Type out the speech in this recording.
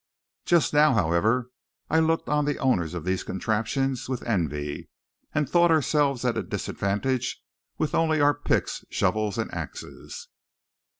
Just now, however, I looked on the owners of these contraptions with envy, and thought ourselves at a disadvantage with only our picks, shovels, and axes.